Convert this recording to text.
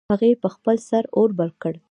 هغې په خپل سر اور بل کړ